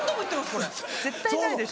これ絶対ないでしょ。